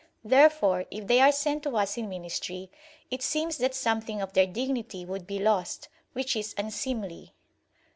Therefore if they are sent to us in ministry, it seems that something of their dignity would be lost; which is unseemly.